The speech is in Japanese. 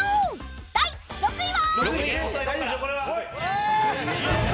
［第６位は］